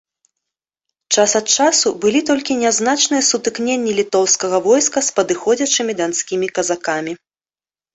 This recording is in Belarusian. Час ад часу былі толькі нязначныя сутыкненні літоўскага войска з падыходзячымі данскімі казакамі.